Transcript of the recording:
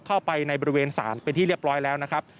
เข้าไปในบริเวณศาลเป็นที่เรียบร้อยแล้วนะครับ